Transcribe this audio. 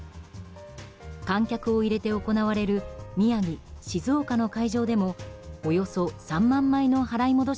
観客を入れて行われる宮城、静岡の会場でもおよそ３万枚の払い戻し